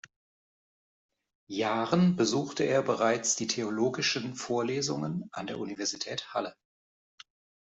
Jahren besuchte er bereits die theologischen Vorlesungen an der Universität Halle.